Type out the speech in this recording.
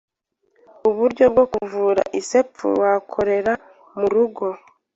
uburyo bwo kuvura isepfu wakorera mu rugo,